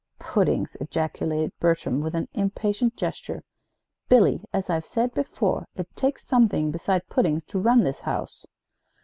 "Puddings!" ejaculated Bertram, with an impatient gesture. "Billy, as I've said before, it takes something besides puddings to run this house."